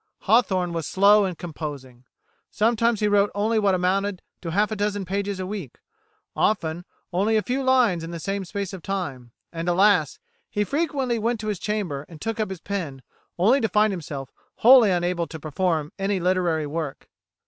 Hawthorne was slow in composing. Sometimes he wrote only what amounted to half a dozen pages a week, often only a few lines in the same space of time, and, alas! he frequently went to his chamber and took up his pen only to find himself wholly unable to perform any literary work.